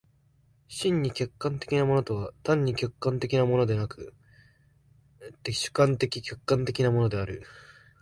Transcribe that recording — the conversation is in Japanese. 真に客観的なものとは単に客観的なものでなく、却って主観的・客観的なものである。